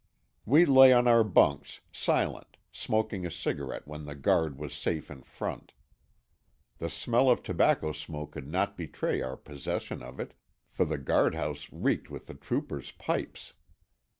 We lay on our bunks, silent, smoking a cigarette when the guard was safe in front. The smell of tobacco smoke could not betray our possession of it, for the guardhouse reeked with the troopers' pipes.